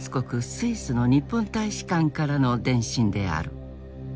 スイスの日本大使館からの電信である。